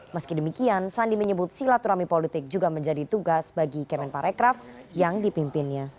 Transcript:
meski demikian sandi menyebut silaturahmi politik juga menjadi tugas bagi kemenparekraf yang dipimpinnya